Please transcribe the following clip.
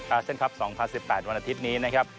อาเซียนคลับ๒๐๑๘วันอาทิตย์นี้นะครับ